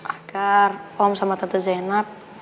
agar om jaromata dezenap